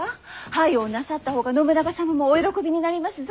早うなさった方が信長様もお喜びになりますぞ。